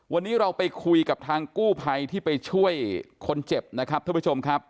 วันนี้เราไปคุยกับทางกู้ภัยที่ไปช่วยคนเจ็บนะครับท่านผู้ชมครับ